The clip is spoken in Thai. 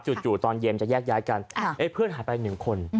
จู่ตอนเย็มจะแยกย้ายกันเพื่อนหายไปหนึ่งคน